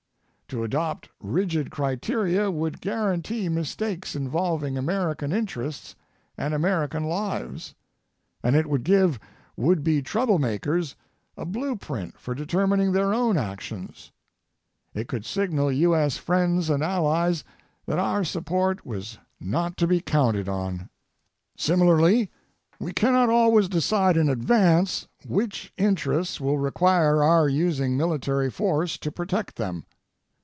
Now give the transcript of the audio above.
To adopt rigid criteria would guarantee mistakes involving American interests and American lives. And it would give would be troublemakers a blueprint for determining their own actions. It could signal U.S. friends and allies that our support was not to be counted on. Similarly, we cannot always decide in advance which interests will require our using military force to protect them.